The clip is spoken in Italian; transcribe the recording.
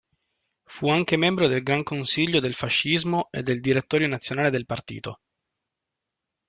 Fu anche membro del Gran consiglio del fascismo e del direttorio nazionale del partito.